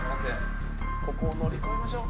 ここを乗り越えましょう。